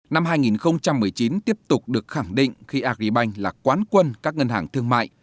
năm hai nghìn một mươi chín tiếp tục được khẳng định khi agribank là quán quân các ngân hàng thương mại